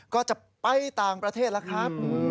ก็จะไปต่างประเทศแล้วครับ